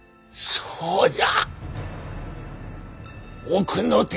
ほうじゃ。